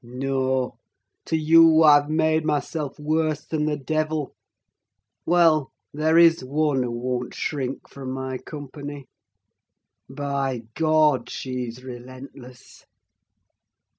No! to you I've made myself worse than the devil. Well, there is one who won't shrink from my company! By God! she's relentless.